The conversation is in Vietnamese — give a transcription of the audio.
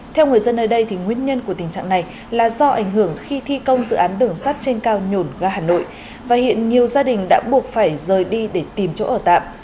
theo người dân nơi đây nguyên nhân của tình trạng này là do ảnh hưởng khi thi công dự án đường sắt trên cao nhổn ga hà nội và hiện nhiều gia đình đã buộc phải rời đi để tìm chỗ ở tạm